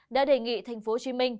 đã đề nghị tp hcm